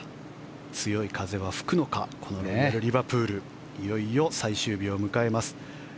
強い風は吹くのかこのロイヤル・リバプールいよいよ最終日を迎えます。